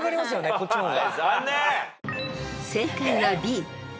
こっちの方が。